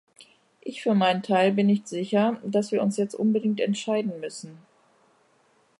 Ich für meinen Teil bin nicht sicher, dass wir uns jetzt unbedingt entscheiden müssen.